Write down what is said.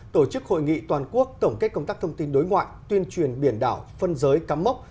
tổ chức hội nghị toàn quốc tổng kết công tác thông tin đối ngoại tuyên truyền biển đảo phân giới cắm mốc